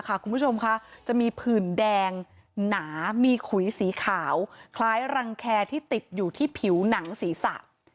คุณผู้ชมค่ะจะมีผื่นแดงหนามีขุยสีขาวคล้ายรังแคที่ติดอยู่ที่ผิวหนังศีรษะ